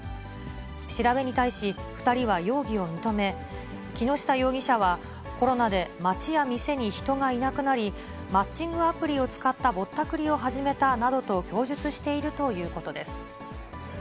調べに対し、２人は容疑を認め、木下容疑者は、コロナで街や店に人がいなくなり、マッチングアプリを使ったぼったくりを始めたなどと供述しているということです。